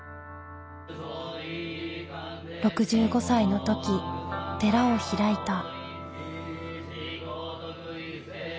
６５歳の時寺を開いた。